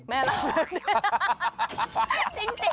แม่เล่าเรื่องนี้